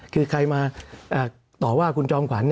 คือใครมาต่อว่าคุณจอมขวัญ